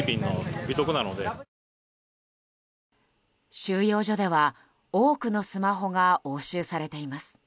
収容所では、多くのスマホが押収されています。